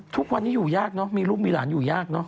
ทุกวันนี้อยู่ยากเนอะมีลูกมีหลานอยู่ยากเนอ